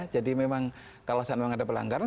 jadi memang kalau memang ada pelanggaran